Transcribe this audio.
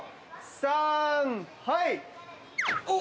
さんはい！